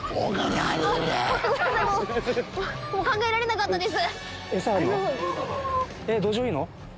もう考えられなかったです。